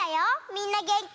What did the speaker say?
みんなげんき？